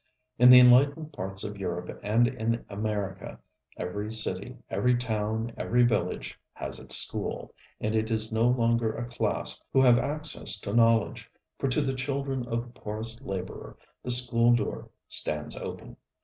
In the enlightened parts of Europe and in America every city, every town, every village, has its school; and it is no longer a class who have access to knowledge, for to the children of the poorest laborer the school door stands open.